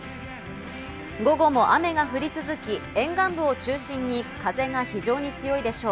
午後も雨が降り続き、沿岸部を中心に風が非常に強いでしょう。